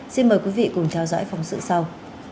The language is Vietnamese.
xin mời quý vị cùng theo dõi phóng sự sau